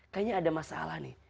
kayaknya ada masalah nih